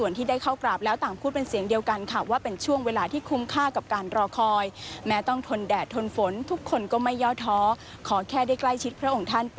เยาว์นานเกินกว่าสิบชั่วโมงก็ตาม